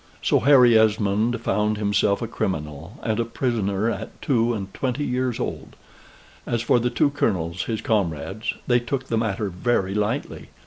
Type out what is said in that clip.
So Harry Esmond found himself a criminal and a prisoner at two and twenty years old; as for the two colonels, his comrades, they took the matter very lightly.